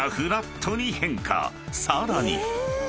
［さらに］